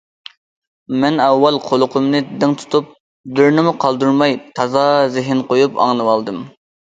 مەن ئاۋۋال قۇلىقىمنى دىڭ تۇتۇپ، بىرىنىمۇ قالدۇرماي تازا زېھىن قويۇپ ئاڭلىۋالدىم.